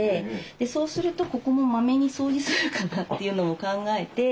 そうするとここもマメに掃除するかなというのも考えて。